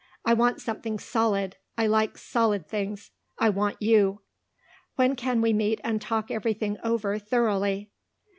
I want something solid. I like solid things. I want you." "When can we meet and talk everything over thoroughly?"